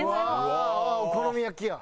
わあお好み焼きや。